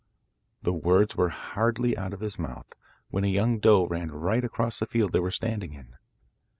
The words were hardly out of his mouth when a young doe ran right across the field they were standing in.